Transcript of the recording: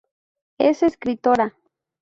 Es escritora.